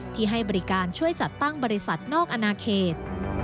ที่ให้บริการช่วยจัดตั้งบริษัทนอกอนาเขต